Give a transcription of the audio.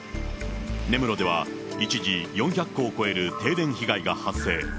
根室では一時、４００戸を超える停電被害が発生。